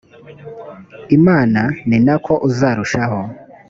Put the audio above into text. imana ni na ko uzarushaho